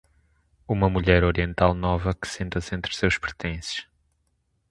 Uma mulher oriental nova que senta-se entre seus pertences.